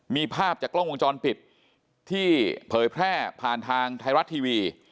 มีภาพจากกล้องวงจรปิดที่เผยแพร่ผ่านทางไทยรัฐทีวี